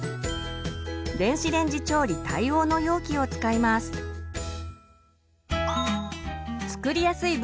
電子レンジ調理対応の容器を使います。